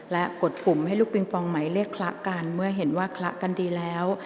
และกดปุ่มให้ลูกปิงปองหมายเลขคละกันเมื่อเห็นว่าคละกันดีแล้ว